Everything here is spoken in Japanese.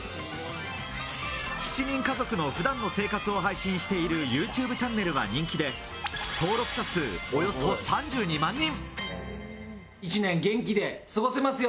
７人家族の普段の様子を配信しているＹｏｕＴｕｂｅチャンネルは人気で、登録者数、およそ３２万人。